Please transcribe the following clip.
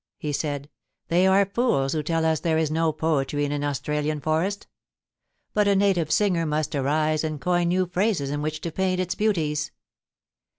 he said, * they are fools who tell us there is no poetry in an Australian forest But a native singer must arise and coin new phrases in which to paint its beauties.